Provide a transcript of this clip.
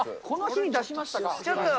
この日に出しましたか。